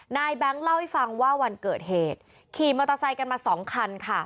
แบงค์เล่าให้ฟังว่าวันเกิดเหตุขี่มอเตอร์ไซค์กันมาสองคันค่ะ